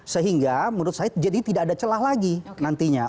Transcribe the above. sehingga menurut saya jadi tidak ada celah lagi nantinya